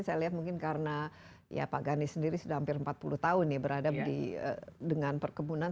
saya lihat mungkin karena ya pak gani sendiri sudah hampir empat puluh tahun ya berada dengan perkebunan